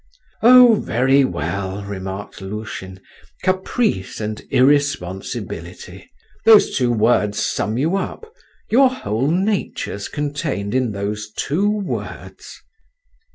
"Oh, very well," remarked Lushin, "caprice and irresponsibility…. Those two words sum you up; your whole nature's contained in those two words."